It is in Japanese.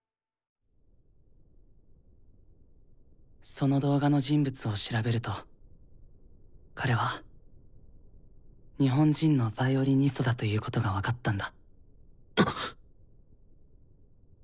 その動画の人物を調べると彼は日本人のヴァイオリニストだということが分かったんだ。